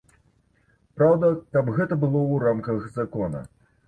Праўда, каб гэта было ў рамках закона.